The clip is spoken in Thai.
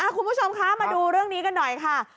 คุณผู้ชมคะมาดูเรื่องนี้กันหน่อยค่ะ